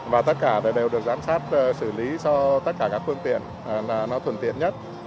và tất cả đều được giám sát xử lý cho tất cả các phương tiện là nó thuận tiện nhất